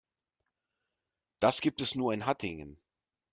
Das gibt es nur in Hattingen